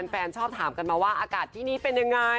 แฟนชอบถามกันมาว่าอากาศที่นี้เป็นยังไง